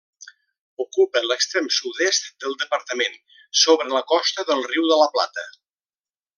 Ocupa l'extrem sud-est del departament, sobre la costa del Riu de la Plata.